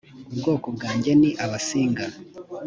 ubwoko bwanjye ni abasinga